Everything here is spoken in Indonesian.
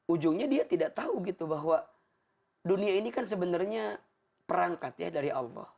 ujungnya dia tidak tahu gitu bahwa dunia ini kan sebenarnya perangkat ya dari allah